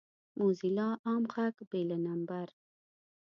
موزیلا عام غږ بې له نمبر